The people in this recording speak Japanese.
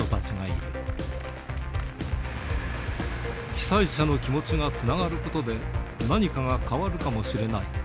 被災者の気持ちがつながることで、何かが変わるかもしれない。